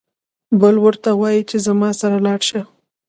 بل ورته وايي چې زما سره لاړ شه.